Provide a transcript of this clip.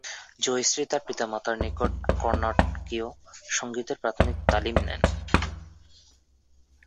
জয়শ্রী তার পিতামাতার নিকট কর্ণাটকীয় সঙ্গীতের প্রাথমিক তালিম নেন।